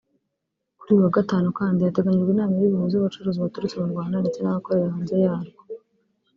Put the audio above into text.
Kuri uyu wa Gatanu kandi hateganyijwe inama iri buhuze abacuruzi baturutse mu Rwanda ndetse n’abakorera hanze yarwo